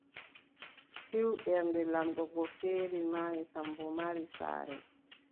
Ciw, Ɓernde laamɗo go feeri, maayi, Sammbo mari saare.